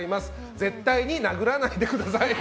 絶対に殴らないでください。